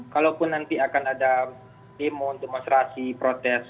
kalaupun nanti akan ada demo demonstrasi protes